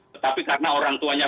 tetapi karena orang tuanya